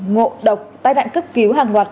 ngộ độc tai đạn cấp cứu hàng loạt